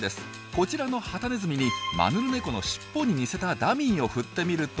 こちらのハタネズミにマヌルネコのしっぽに似せたダミーを振ってみると。